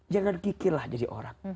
jangan kikirlah jadi orang